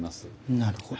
なるほど。